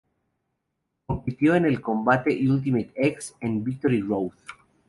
Compitió en el combate Ultimate X en Victory Road.